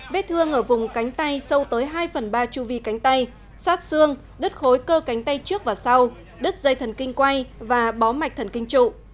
vết thương ở vùng cánh tay sâu tới hai phần ba chu vi cánh tay sát xương đứt khối cơ cánh tay trước và sau đứt dây thần kinh quay và bó mạch thần kinh trụ